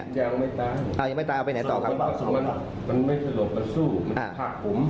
ยังไม่ตายส่วนบ้าสุดมั้ยครับมันไม่ถูกมันสู้มันผ่ากผม